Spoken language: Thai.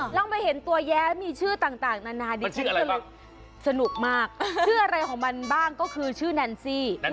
แล้วมาเห็นตัวแย้มีชื่อต่างนานาดิฉันสนุกมากชื่ออะไรของมันบ้างก็คือชื่อแนนซี่